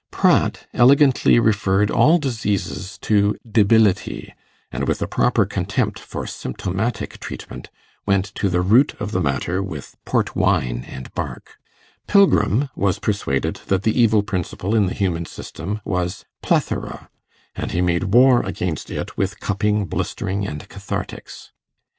Pratt elegantly referred all diseases to debility, and, with a proper contempt for symptomatic treatment, went to the root of the matter with port wine and bark; Pilgrim was persuaded that the evil principle in the human system was plethora, and he made war against it with cupping, blistering, and cathartics.